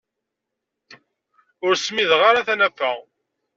Ur smideɣ ara tanafa.